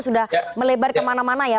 sudah melebar kemana mana ya